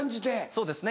そうですね